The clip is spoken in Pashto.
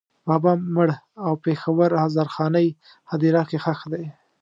بابا مړ او په پېښور هزارخانۍ هدېره کې ښخ دی.